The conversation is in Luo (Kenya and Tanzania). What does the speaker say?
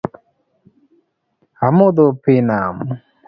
Amodho pii nam